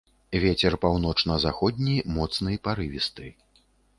Вецер паўночна-заходні, моцны, парывісты.